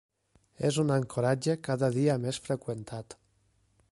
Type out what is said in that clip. És un ancoratge cada dia més freqüentat.